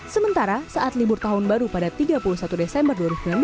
sementara saat libur tahun baru pada tiga puluh satu desember dua ribu sembilan belas